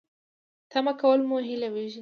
تمه کول مو هیلې وژني